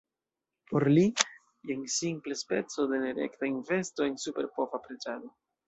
Por li, jen simple speco de nerekta investo en superpova preĝado.